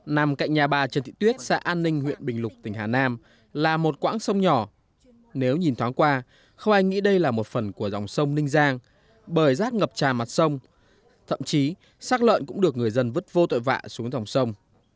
nằm cạnh nhà bà trần thị tuyết xã an ninh huyện bình lục tỉnh hà nam là một quãng sông nhỏ nếu nhìn thoáng qua không ai nghĩ đây là một phần của dòng sông ninh giang bởi rác ngập tràn mặt sông thậm chí sắc lợn cũng được người dân vứt vô tội vạ xuống dòng sông